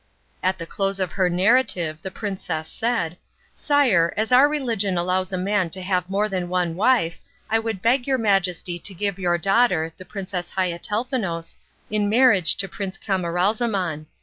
At the close of her narrative the princess said, "Sire, as our religion allows a man to have more than one wife, I would beg your Majesty to give your daughter, the Princess Haiatelnefous, in marriage to Prince Camaralzaman.